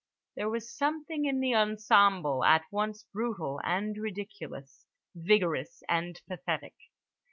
There was something in the ensemble at once brutal and ridiculous, vigorous and pathetic.